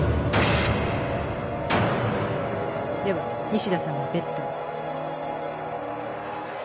では西田さまベットを。